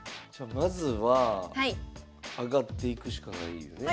まずは上がっていくしかないんよね。